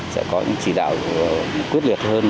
sẽ có những chỉ đạo quyết liệt hơn